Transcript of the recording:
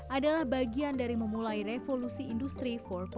adalah bagian dari memulai revolusi industri empat